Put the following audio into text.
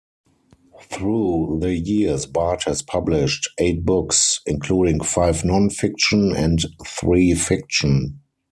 Through the years Bart has published eight books, including five non-fiction and three fiction.